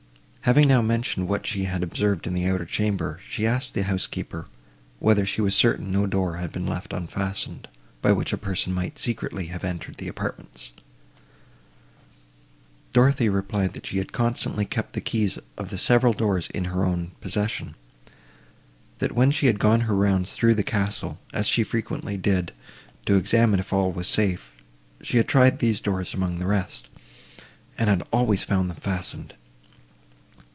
Having now mentioned what she had observed in the outer chamber, she asked the housekeeper, whether she was certain no door had been left unfastened, by which a person might secretly have entered the apartments? Dorothée replied, that she had constantly kept the keys of the several doors in her own possession; that, when she had gone her rounds through the castle, as she frequently did, to examine if all was safe, she had tried these doors among the rest, and had always found them fastened.